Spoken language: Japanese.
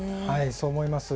そう思います。